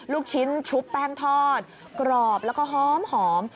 ลูกชิ้นชุบแป้งทอดกรอบแล้วก็หอม